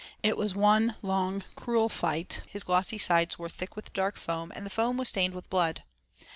It was one long cruel fight; his glossy sides were thick with dark foam, and the foam was stained with blood.